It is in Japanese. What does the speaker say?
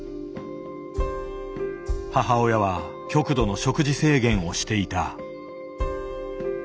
母親は極度の食事制限をしていた。